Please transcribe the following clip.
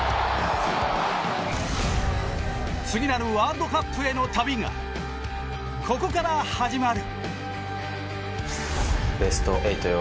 次なるワールドカップへの旅がここから始まる。